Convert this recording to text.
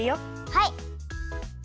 はい！